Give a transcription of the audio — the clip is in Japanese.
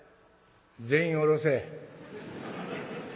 全員下ろせ。